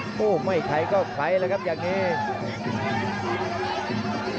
โอ้โหไม่เค้าใหม่ก็ไคร้นะครับอย่างเนี้ย